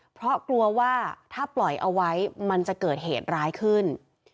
เพราะกลัวว่าถ้าปล่อยเอาไว้มันจะเกิดเหตุร้ายขึ้น